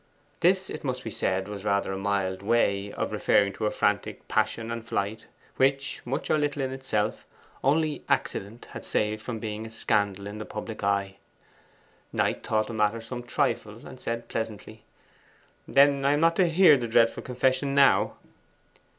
This, it must be said, was rather a mild way of referring to a frantic passion and flight, which, much or little in itself, only accident had saved from being a scandal in the public eye. Knight thought the matter some trifle, and said pleasantly: 'Then I am not to hear the dreadful confession now?